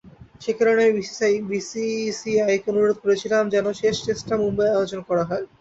সেকারণেই আমি বিসিসিআইকে অনুরোধ করেছিলাম যেন শেষ টেস্টটা মুম্বাইয়েই আয়োজন করা হয়।